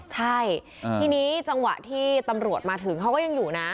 ใช่ทีนี้จังหวะที่ตำรวจมาถึงเขาก็ยังอยู่นะ